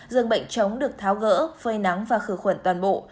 dừng bệnh chống được tháo rỡ phơi nắng và khử khuẩn toàn bộ